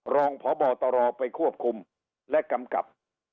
รองพบตรไปควบคุมและกำกับ